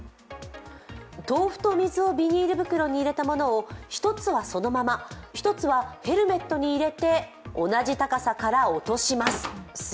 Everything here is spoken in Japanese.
豆腐と水をビニール袋に入れたものを１つはそのまま、１つはヘルメットに入れて同じ高さから落とします。